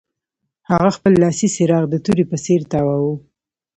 هغه خپل لاسي څراغ د تورې په څیر تاواوه